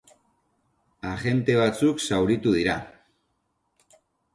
Agente batzuk zauritu dira.